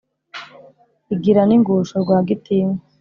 Igira n'ingusho Rwagitinywa